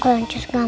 kalau ncus gak mau